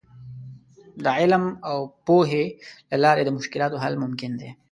د علم او پوهې له لارې د مشکلاتو حل ممکن دی.